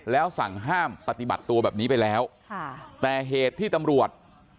แล้วสั่งห้ามปฏิบัติตัวแบบนี้ไปแล้วค่ะแต่เหตุที่ตำรวจ